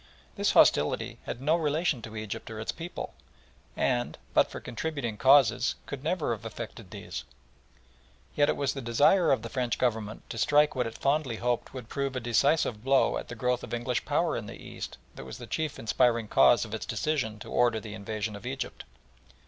This hostility had no relation to Egypt or its people, and, but for contributing causes, could never have affected these, yet it was the desire of the French Government to strike what it fondly hoped would prove a decisive blow at the growth of English power in the East, that was the chief inspiring cause of its decision to order the invasion of Egypt.